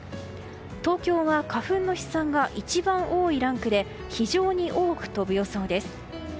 東京は花粉の飛散が一番多いランクで非常に多く飛ぶ予想です。